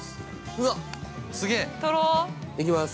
うわっ、すげえ。行きます。